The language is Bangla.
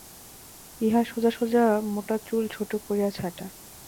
ইঁহার সোজা সোজা মোটা চুল ছোটো করিয়া ছাঁটা।